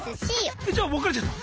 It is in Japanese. えじゃあ別れちゃったの？